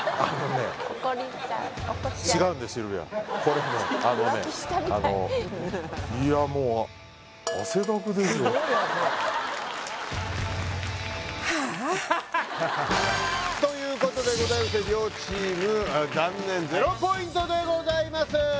これねということでございまして両チーム残念０ポイントでございます